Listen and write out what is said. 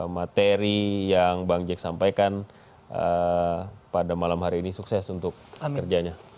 terima kasih atas pelajaran yang didapat dari materi yang bang jek sampaikan pada malam hari ini sukses untuk kerjanya